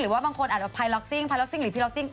ว่าบางคนอาจจะพายล็อกซิ่งพายล็อกซิ่งหรือพี่ล็กซิ่ง